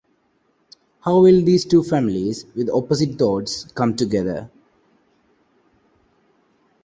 How will these two families with opposite thoughts come together?